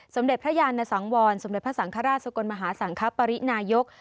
สมเด็จพระยานสังวรสมเด็จพระสังฆราชสกลมหาสังคปรินายก